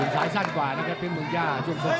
สายสั้นกว่านี่ก็เป็นเมืองย่า